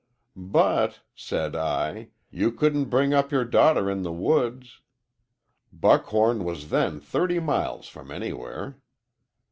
"'But,' said I, 'you couldn't bring up your daughter in the woods.' Buckhorn was then thirty miles from anywhere.